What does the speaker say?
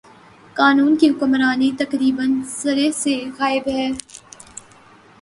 قانون کی حکمرانی تقریبا سر ے سے غائب ہے۔